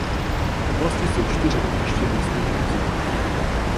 V oblasti jsou čtyři letiště místního významu.